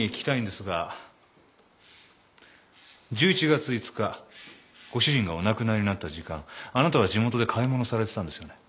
１１月５日ご主人がお亡くなりになった時間あなたは地元で買い物されてたんですよね？